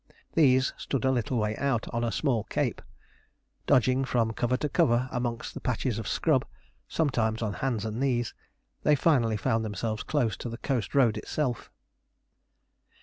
These stood a little way out on a small cape. Dodging from cover to cover amongst the patches of scrub, sometimes on hands and knees, they finally found themselves close to the coast road itself.